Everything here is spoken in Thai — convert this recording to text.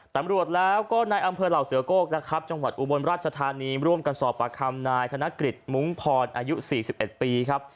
ตำรวจแล้วก็ในอำเภอเหล่าเสือโก้นะครับจังหวัดอุบลราชธานีร่วมกันสอบประคำนายธนกฤษมุ้งพรอายุ๔๑ปีครับ